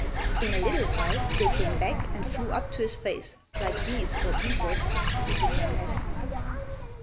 In a little while they came back and flew up to his face, like bees or beetles seeking their nests.